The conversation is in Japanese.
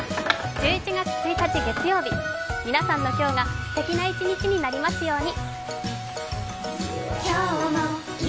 １１月１月月曜日皆さんの今日が素敵な一日になりますように。